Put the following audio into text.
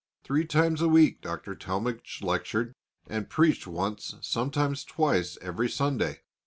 Three times a week Dr. Talmage lectured, and preached once, sometimes twice, every Sunday.